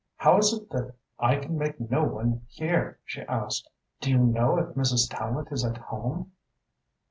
"How is it that I can make no one hear?" she asked. "Do you know if Mrs. Tallente is at home?"